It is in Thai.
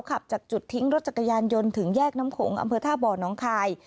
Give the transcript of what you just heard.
ขับจากจุดทิ้งรถจักรยานยนต์ถึงแยกน้ำโขงอำเภอท่าบ่อน้องคาย